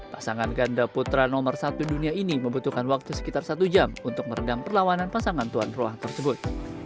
pasangan ganda putra nomor satu dunia ini membutuhkan waktu sekitar satu jam untuk meredam perlawanan pasangan tuan rumah tersebut